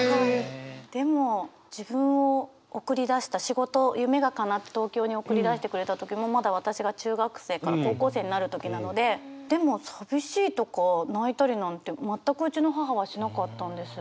でも自分を送り出した仕事夢がかなって東京に送り出してくれた時もまだ私が中学生から高校生になる時なのででも寂しいとか泣いたりなんて全くうちの母はしなかったんです。